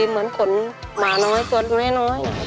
เหมือนขนหมาน้อยตัวน้อย